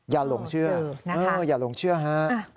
หลงเชื่ออย่าหลงเชื่อฮะ